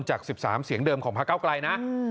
จาก๑๓เสียงเดิมของพระเก้าไกลนะ